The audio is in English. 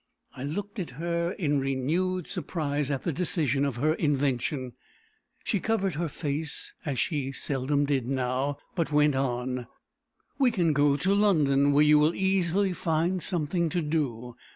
I looked at her in renewed surprise at the decision of her invention. She covered her face, as she seldom did now, but went on: "We can go to London, where you will easily find something to do.